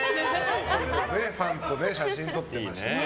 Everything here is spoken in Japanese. ファンとね、写真撮ってました。